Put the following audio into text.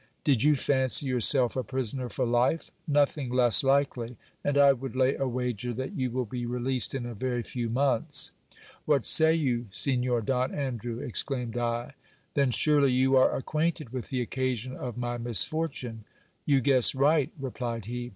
Did you fancy yourself a prisoner for life ? Nothing less likely ! and I would lay a wager that you will be released in a very few months. What say you, Sig nor Don Andrew ? exclaimed I. Then surely you are acquainted with the oc casion of my misfortune. You guess right, replied he.